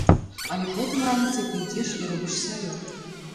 Але потым раніцай ты ідзеш і робіш сваё.